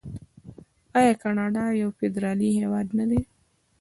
آیا کاناډا یو فدرالي هیواد نه دی؟